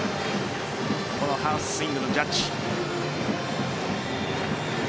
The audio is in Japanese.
このハーフスイングのジャッジ。